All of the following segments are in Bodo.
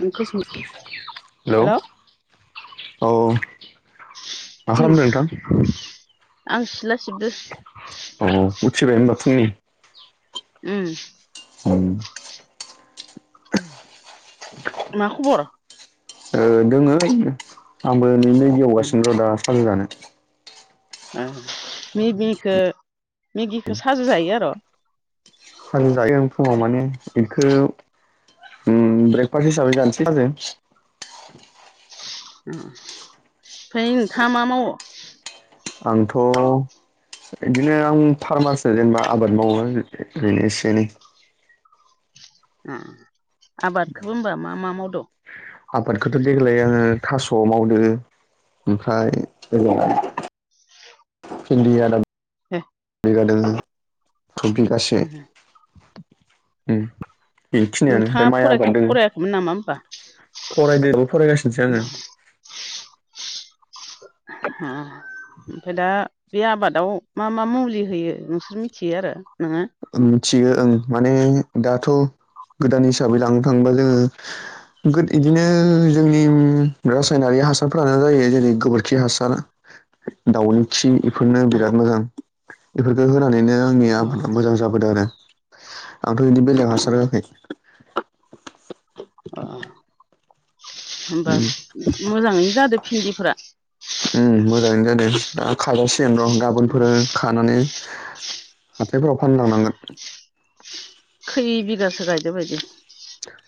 Hello hello? औ मा उम खालामदों नोंथां? आं सिथला सिबदो अ उबाय ब थनि उम। ओ मा खबर? दङ आंबो नैनो उम गेवगासिनो र' दा साल जानो। मेगिखौ मेगिखौ साजु जायो आरो? सानुं जायो फुङाव माने बेखौ ब्रेकफासट हिसाबै गानाज ओमफ्राय नोंथाङ मा मावो? आंथ' बिदिनो आं फार्मारसो जेनेबा आबाद मावो ओरैनो एसे एनै। आबादखौबो होनबा मा मा मावद? आबादखौथ' देग्लाय आङो थास' मावदों। ओमफ्राय हि ए बिगादों ख बिगासे उम बेखिनियानो ओमफ्राय माइ आबाद दङ खमोन नामा होनोमबा? फरायदबो फरायगासिनोसै आङो। [unintelligible] ओमफफ्राय दा बे आबादाव मा मा मुलि होयो नोंसोर मिथियो आरो नोङो? मिथियो ओं माने दाथ' गोदान हिसाबै लांनो थाङोबा जोङो इदिनो जोंनि रासायनारि हासारफोरानो जायो जेरै गोबोरखि हासार दाउनि खि इफोरनो बिराद मोजां बेफोरखौ होनानैनो आंनि ओ जो आरो आंथ' बिदि बेलेायाव अ हासार होआखै अ हबा उम मोजाङैनो जादो भिन्दिफोरा? उ मोजाङनो जादों दा खाजासेयानो र' उम गाबोनफोर खानानै हाथायफोराव फानलांनांगोन। खै बिगासो गायदो बायदि?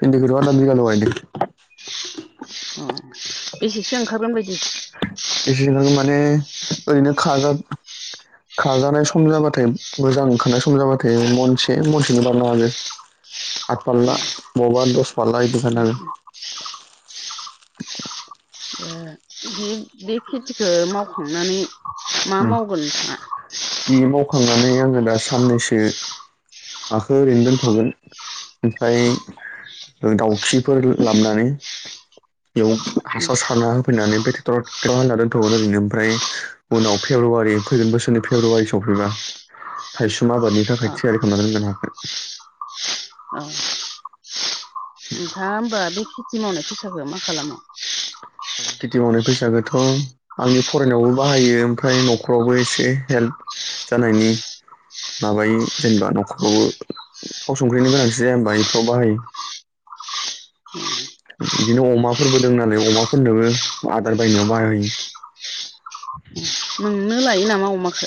फिन्दिखौ थो आदा बिगाल गाइदो। औ। बेसेसो ओंखारगोन बायदि? बिसे माने ओरैनो खाजा खाजानाय सम जाबाथाय मोजां खानाय सम जाबाथाय मनसे मनसेनो बारनो हागो। आठ फारला उम बबावबा दस फारला बिदिख उम आङो। [unintelligible] बे खेथिखौ मावखांनानै मा मावगोन नोंथाङा? बे मावखांनानै आङो दा साननैसो हाखौ ओरैनो दोनथ'गोन ओमफ्राय दाउखिफोर लाबोनानै बेयाव हासार सारना होफैनानै बे ट्रेक्टरेक्ला दोनथ'गमोन ओरैनो ओमफ्राय उनाव फेब्रुवारि फैगोन बोसोरनि फेब्रुवारि सफैबा थायसुम आबादनि अ थाखाय थियारि खालामनानै दोनगोन आं ओ नोंथाङा होनबा बे खेथि मावनाय फैसाखौ मा खालामो? खिथि मावनाय फैसाागोथ' आंनि फरायनायावबो बाहायो ओमफ्राय न'खरावबो एसे हेल्प जानायनि माबायो जेनेबा न'खरावबो थाव संख्रिनो गोनांथि जाया होनबा बेफोराव बाहायो बिदिनो अमाफोरबो दं नालाय अमाफोरनोबो आदार बायनायाव बाहायो। नों लायो नामा अमाखो?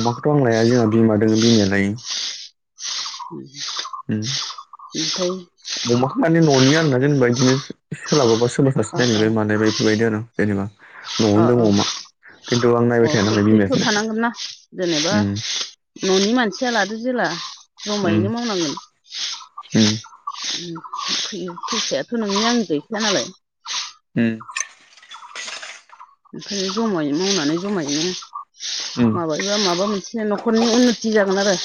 अमखौथ' आं लाया जोंहा बिमा दङ बिमाया लायो। [unintelligible] [unintelligible] बिओफ्राय अमाखौ मानि न'नि आरोना जेनेबा बिदिनो सोलाबाबा सोरोबा अ सासे अ रायलायबाय मानायबाय बेफोरबायदि आरो। अ जेनबा दों अ अमा। खिन्थु आं अ नायबाय थाया नालाय खसेथ' बिमायासो नायो थानांगोननाा जेनेबा न'नि मानसिया लादो जेला उम जमायैनो मावनांगोन। फैसायाथ' नोंनि आं गैखाया नालाय। उम ओमफ्राय जमायै मावनानै जमायैनो उम माबा एबा माबा मोनसे न'खरनि उन्नति जागोन आरो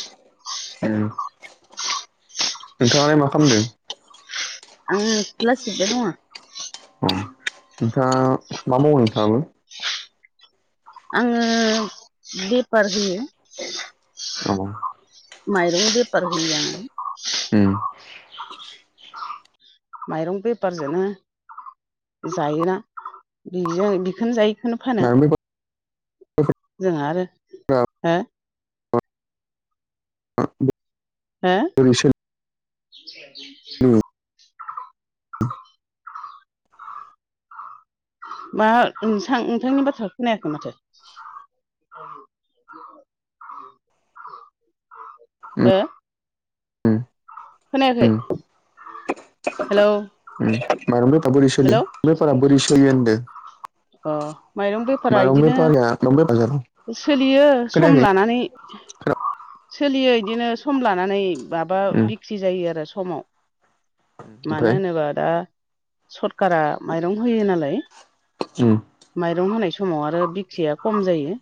ओ नोंथाङालाय मा खालामदों? आंङो सिला सिबबाय दं आं। उम नोंथाङा मा मावो नोंथाङाबो? आङो बेफार होयो अ माइरं बेफार होयो आङो ओम माइरं बेफारजोंनो जायोना बि बेखौनो जायो। होननो फानो। माइरं बेफारफोरा जोंहा आरो हो आ हो ओरैसो [inaudible] मा नोंथां नोंथांनि बाथ्राखो खोनायाखै माथो। उम हो उम खोनायाखै हेलौ ओ माइरं बेफार बोरि सोलि हेलौ बेफारा बोरै सोलियो होनदो? अ माइरं बेफारा माइरंबो इदिनो बारा माइरंबो बाजाराव सोलियो सम खोनायाखै लानानै। खोना सोलियो बिदिनो सम लानानै माबा उम बिख्रि जायो आरो समाव मानो ओमफ्राय होनोबा दा सरखारा माइरं होयो नालाय ओ माइरं होनाय समाव आरो बिख्रिया खम जायो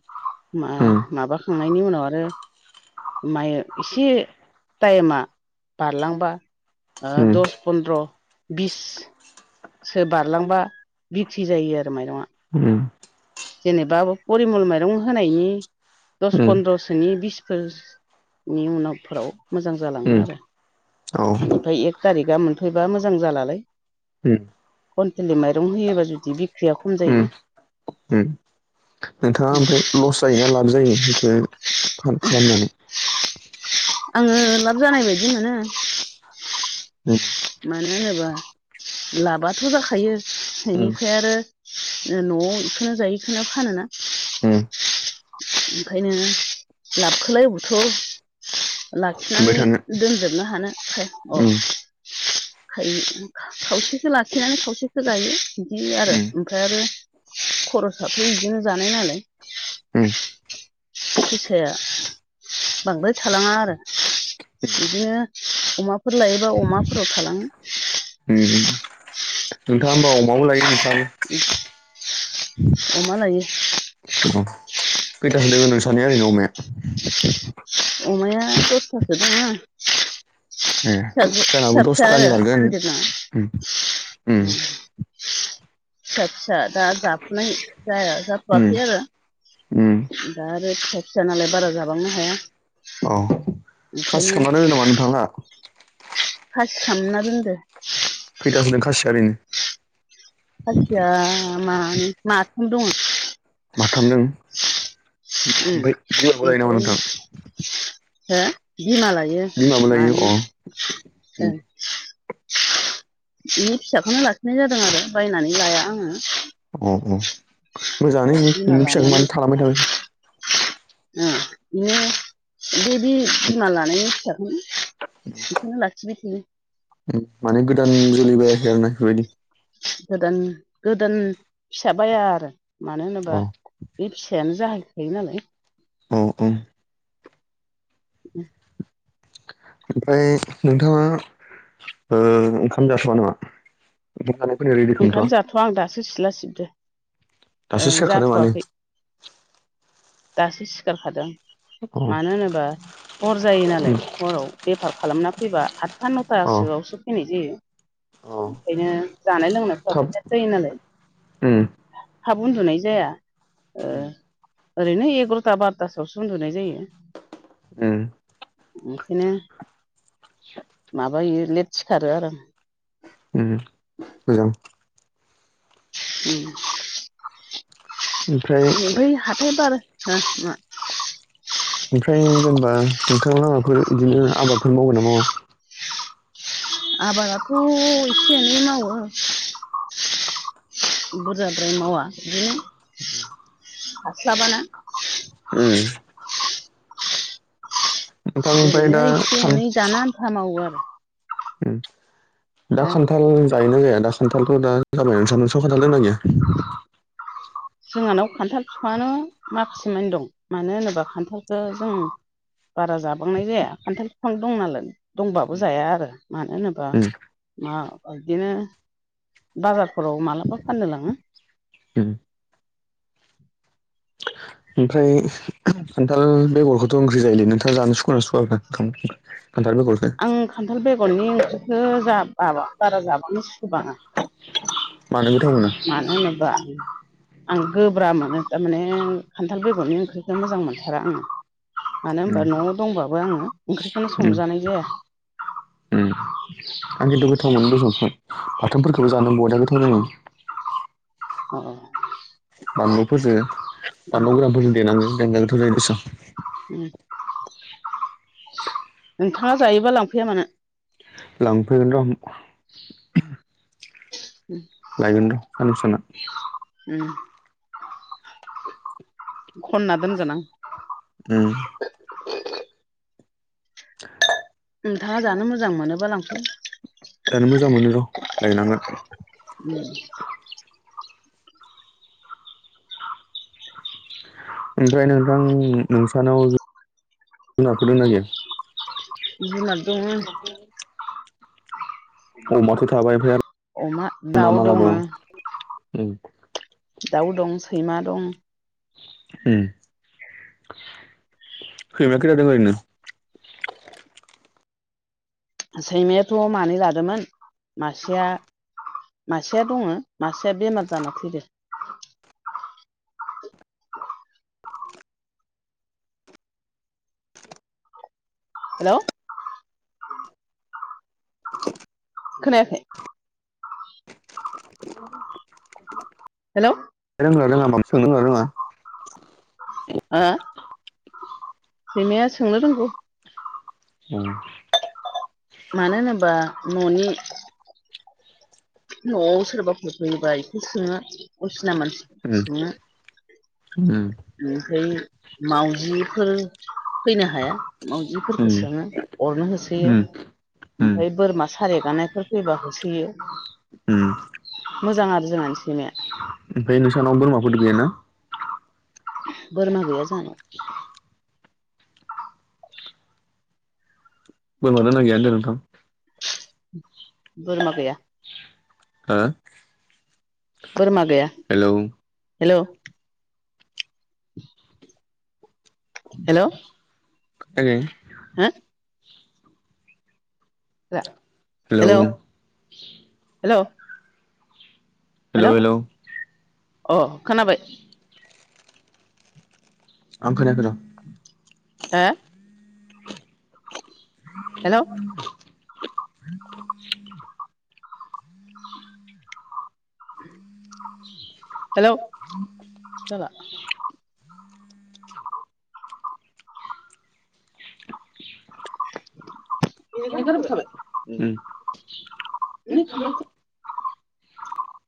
उम माबाखांनायनि उनाव आरो मायो एसे टाइमा बारलांबा उम दस फन्द्र बिस सो बारलांबा बिख्रि जायो आरो माइरंआ उ जेनेबा परिमल माइरं होनायनि दस उम पन्द्रसोनि बिसफोर नि उनावफोराव मोजां उम जालाङो आरो औ एनिफ्राय एक थारिकआ मोनफैबा मोजां जालालाय उ कन्ट्रलनि माइरं होयोबा जुदि बि ओ ओ नोंथाङा ओमफ्राय लस जायोना लाब जायो बेखौ फान खालामनानै आङो लाब जानाय बायदि मोनो। द [inaudible] मानो होनोबा लाबथ' जाखायो उम बेनिफ्राय आरो न'आव बेखौनो जायो इखौनो फानोना। ओ ओंखायनो लाबखोलाय अबावथो मोनबाय लाखिनानै थानो दोनजोबनो हानो खाय अ उम खायनो खावसेखो लाखिनानै खावसेखो जायो बिदि आरो उम ओमफ्राय आरो खरसाथ' बिदिनो जानाय नालाय ओ फैसाया बांद्राय थालाङा आरो बिदिनो अमाफोर लायोबा अमाफोराव थालाङो नोंथाङा होमबा अमाबो लायो नोंथानि [inaudible] अमालायो अ खैथासो दोङो नोंसानिया ओरैनो अमाया? अमाया दसथासो दङ। ए फिसासो जानाबो फिसा- फिसा दसथानि आरो बारगोन गिदिर उम उम नङा फिसा फिसा दा जाफुुनाय जाया उम जाथ'याखै आरो। उम दा आरो फिसा फिसा नालाय बारा जाबांनो हाया। औ ओंखायनो खासिखालामना दोनो नामा नोंथा मोना? खासि खालामना दोनदो। खैथासो दों खासिया ओरैनो? खासिया मानै माथाम दङ। माथामदों दङ ओमफ्राय बेदरबो जायो नामा ओमफ्राय नोंथां? हो बिमा लायो बिमाबो लायो मानै। अ बेनि फिसाखौनो लाखिनाय जादों आरो बायनानै लाया आङो। अ' अ' मोजाङानो बिमा बिनो फिसा लानानै मानो थालांबाय थागोन। बि [unintelligible] बे बे बिमा लानायनि फिसामोन बेखौनो लाखिबाय थोयो। माने गोदान जोलै बायाखै आरो ना बेफोरबायदि। गोदोन गोदोन फिसा बाया आरो मानो अ होनोबा बे फिसायानो जाहैखायो नालाय। औ औ उ ओमफ्राय नोंथाङा ओ ओंखाम जाथ'या नामा? ओंखाम जानाय रेडि खालामथ'या। जाथ'आ आं दासो सिला सिबदो दासो ओं सिखादों माने। जाथ'वाखै दासो सिखारखादों अ मानो होनोबा हर जायो उम नालाय हराव। बेफार खालामना फैबा आदथा अ नथासोआवसो फैनाय जायो। अ ओंखायनो जानाय लोंनायफ्राव थाब बिदि जायो नालाय उम हा उन्दुनाय जाया ओ उम ओरैनो एगार'था बार'थासोआवसो उन्दुनाय जायो। उम ओंखायनो माबायो लेट सिखारो आरो। उम मोजां उम ओमफ्राय हाथाय बारा मा ओमफ्राय जेनेबा नोंथां लामाफोर बिदिनो आबादफोर मावगोनना मावा? आबादाथ' एसे एनै मावो बुरजाब्राय मावा बिदिनो हास्लाबाना उम नोंथां ओमफ्राय ओरैनो दा एसे खाम एनै जानो आन्था मावो आरो दा खान्थाल जायो ना जाया दा खान्थालखौ दा जाबाय नोंसानाव स खान्थाल दोंना गैया? जोंहानाव खान्थाल बिफाङानो माखासेमानि दं। मानो होनोबा खान्थालखौ जों बारा जाबांनाय जाया खान्थाल बिफां दं नालाय। दंबाबो उम जाया आरो मानो होनोबा मा बिदिनो बाजारफोराव मालाबा फाननो लाङो। ओ [inaudible] ओमफ्राय खान्थाल बेगरखौथ' ओंख्रि जायोलै नोंथाङा जानो सुखुयोना सुखुवा? खान्थाल बेगर आं खान्थाल बेगरनि ओंख्रिखौ जा बाबा बारा जाबांनो सुखुबाङा मानो गोथाव मोना मानो होनोबा आं गोब्रा मोनो थारमाने खान्थाल बेगरनि ओंख्रि खो मोजां मोनथारा आङो मानो होनबा उम न'आव दंबाबो आङो ओंख्रिखौनो उम संजानाय जाया उम आं खिन्थु गोथाव मोनो दिसं बाथोनफोरखौबो जानो बरिया गोथाव जोयो अ अ बानलुफोरजों बानलु गोरानफोरजों देेनांगो देनजार गोथाव जायो दिसन उम नोंथाङा जायोबा लांफैया मानो लांफैगोन र' उम लायगोन र' साननैसो थाना उम खनना दोनगोन आं उम नोंथाङा जानो मोजां मोनोबा लांफै दानो मोजां मोनो र' लायनांगोन उम ओमफ्राय नोंथां नोंसानाव जु-जुनारफोर दोंना गैया? जुनार दंङो अमाथ' थाबाय ओमफ्राय अमा, दाउ दङो ओम दाउ दं, सैमा दं उम सैमा खोथादों ओरैनो सैमायाथ' मानै लादोंमोन मासेया मासेया दङो मासेया बेमार जाना थैदो हेलौ खोनायाखै [inaudible] हेलौ रोंगोना रोंङा होमबा सोंनो रोंगोना रोङा ओ सैमाया सोंनो रोंगौ औ मानो होनोबा न'नि न'आव सोरबाफोर फैयोबा एसे सोङो असिना मानसि सोङो उम ओमफ्राय मावजिफोर फैनो हाया, मावजिफोरखौ उम सोङो। अरनो होसोयो। उम उम ओमफाय बोरमा सारे हेगारनायफोर फैबा होसोयो। उम मोजां आरो जोंहानि सैमाया। ओमफ्राय नोंसानाव बोरमाफोरद गैया ना? बोरमा गैया जाहा। [inaudible] बोरमा दोंना गैया होनदों नोंथां बोरमा गैया हो बोरमा गैया हेलौ हेलौ [inaudible] हेलौ खोनायाखै हो रा हेलौ हेलौ हेलौ अ' खोनाबाय। आं खोनायाखै र' आ हेलौ हेलौ जाला [inaudible] बिनिखो जाला दोनथ'बाय उम [unintelligible]